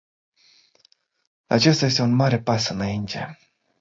Acesta este un mare pas înainte.